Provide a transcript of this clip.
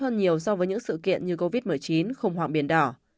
hơn nhiều so với những sự kiện như covid một mươi chín khủng hoảng biển đỏ